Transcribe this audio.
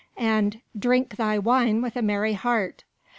and "Drink thy wine with a merry heart!"